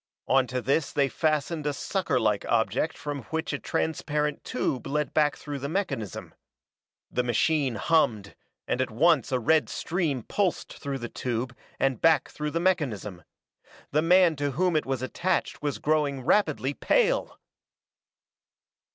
Onto this they fastened a suckerlike object from which a transparent tube led back through the mechanism. The machine hummed and at once a red stream pulsed through the tube and back through the mechanism. The man to whom it was attached was growing rapidly pale!